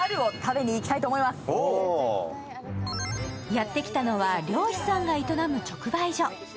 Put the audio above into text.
やってきたのは漁師さんが営む直売所。